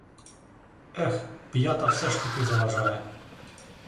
Ех, п'ята все ж таки заважає.